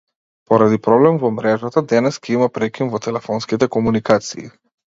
Поради проблем во мрежата, денес ќе има прекин во телефонските комуникации.